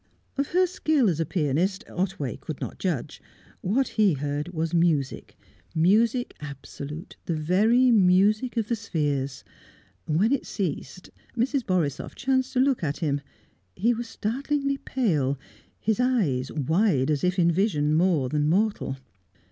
Of her skill as a pianist, Otway could not judge; what he heard was Music, music absolute, the very music of the spheres. When it ceased, Mrs. Borisoff chanced to look at him; he was startlingly pale, his eyes wide as if in vision more than mortal.